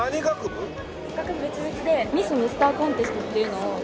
学部別々でミスミスターコンテストっていうのを。